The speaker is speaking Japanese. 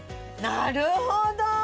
なるほど！